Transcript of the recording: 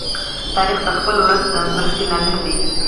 تاریخ د خپل ولس د مرستی لامل دی.